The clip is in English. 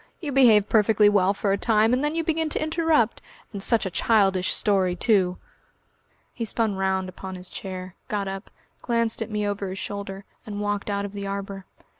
You behave perfectly well for a time, and then you begin to interrupt.... And such a childish story, too!" He spun round upon his chair, got up, glanced at me over his shoulder, and walked out of the arbour.